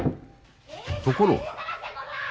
・ところが。